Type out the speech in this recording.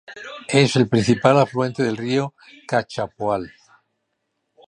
Es el principal afluente del río Cachapoal.